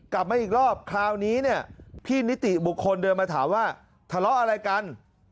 กลับมาอีกรอบคราวนี้เนี่ยพี่นิติบุคคลเดินมาถามว่าทะเลาะอะไรกัน